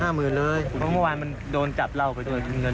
ห้ามือเลยเพราะวันมันโดนจับเราไปด้วยเงิน